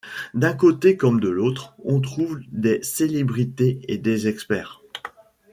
D'un côté comme de l'autre, on trouve des célébrités et des experts.